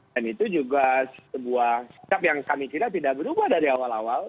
dan itu juga sebuah sikap yang kami kira tidak berubah dari awal awal